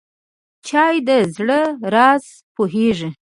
چای د زړه راز پوهیږي.